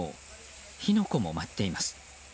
火の粉も舞っています。